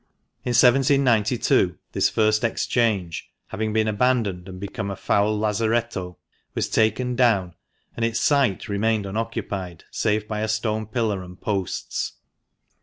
In 1792 this first Exchange — having been abandoned and become a foul lazaretto — was taken down, and its site remained unoccupied save by a stone pillar and posts.